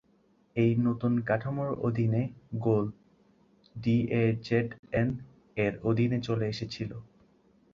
এই নতুন কাঠামোর অধীনে গোল ডিএজেডএন-এর অধীনে চলে এসেছিল।